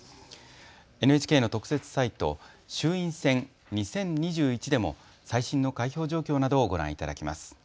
ＮＨＫの特設サイト、衆院選２０２１でも最新の開票状況などをご覧いただけます。